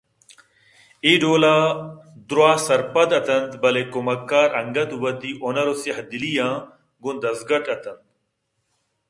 اے ڈول ءَ درٛا سرپد اِت اَنت بلے کمکار انگتءَوتی ہُنرءُسیاہ دلی آں گوں دزگٹ اِت اَنت